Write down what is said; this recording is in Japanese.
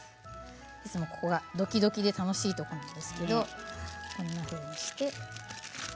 いつも、ここがどきどきで楽しいところなんですけどこんなふうにして。